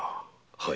はい。